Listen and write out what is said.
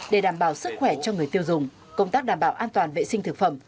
để đảm bảo sức khỏe cho người tiêu dùng công tác đảm bảo an toàn vệ sinh thực phẩm